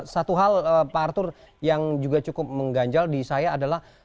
satu hal pak arthur yang juga cukup mengganjal di saya adalah